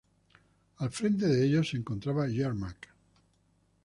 Al frente de ellos se encontraba Yermak.